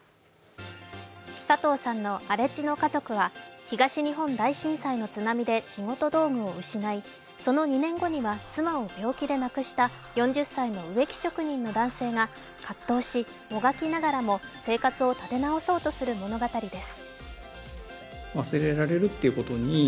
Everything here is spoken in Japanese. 佐藤さんの「荒地の家族」は東日本大震災の津波で仕事道具を失い、その２年後には妻を病気でなくした４０歳の植木職人の男性が葛藤し、もがきながらも生活を立て直そうとする物語です。